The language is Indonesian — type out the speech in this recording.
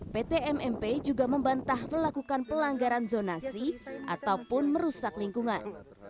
pt mmp juga membantah melakukan pelanggaran zonasi ataupun merusak lingkungan